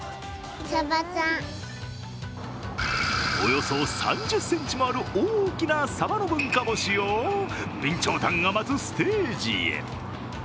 およそ３０ｃｍもある大きなサバの文化干しを備長炭が待つステージへ。